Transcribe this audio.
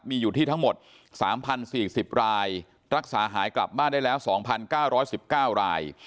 มีอยู่ที่ทั้งหมด๓๐๔๐รายรักษาหายกลับบ้านได้แล้ว๒๙๑๙ราย